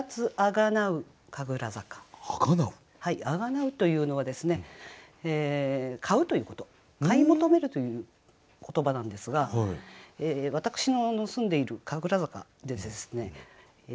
「あがなふ」というのはですね買うということ買い求めるという言葉なんですが私の住んでいる神楽坂でですね